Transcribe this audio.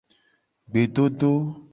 Gbedodo.